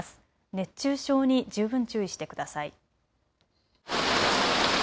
熱中症に十分注意してください。